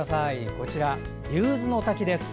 こちら、竜頭ノ滝です。